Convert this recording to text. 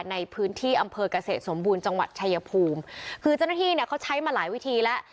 ในพื้นที่อำเภอกเกษตรสมบูรณ์จังหวัดชายภูมิคือเจ้าหน้าที่เนี่ยเขาใช้มาหลายวิธีแล้ว